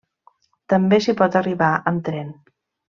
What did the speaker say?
També s'hi pot arribar amb tren.